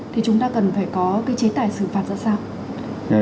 thì chúng ta cần phải có cái chế tài xử phạt ra sao